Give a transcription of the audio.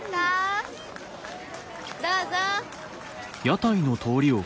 どうぞ！